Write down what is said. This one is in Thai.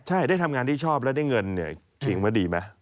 ใช่ได้ทำงานที่ชอบและได้เงินถึงว่าดีไหม